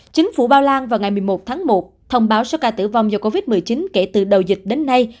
chính phủ ba lan vào ngày một mươi một tháng một thông báo số ca tử vong do covid một mươi chín kể từ đầu dịch đến nay